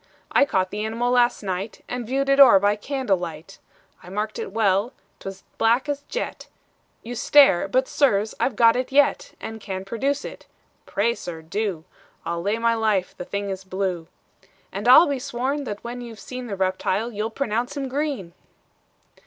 I caught the animal last night, And viewed it o'er by candlelight: I marked it well 't was black as jet You stare but sirs, I've got it yet, And can produce it." "Pray, sir, do: I'll lay my life the thing is blue." "And I'll be sworn, that when you've seen The reptile, you'll pronounce him green."